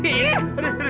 aduh aduh aduh